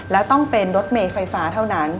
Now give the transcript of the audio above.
และต้องเป็นรถเมย์ไฟฟ้าเท่านั้น